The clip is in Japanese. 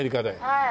はい。